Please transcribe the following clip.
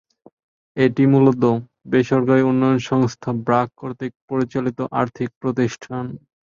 এটি মূলত; বেসরকারি উন্নয়ন সংস্থা ব্র্যাক কর্তৃক পরিচালিত আর্থিক প্রতিষ্ঠান।